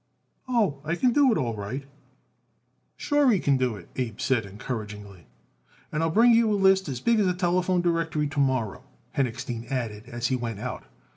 "Oh, I can do it all right." "Sure he can do it," Abe said encouragingly. "And I'll bring you a list as big as the telephone directory to morrow," Henochstein added as he went out.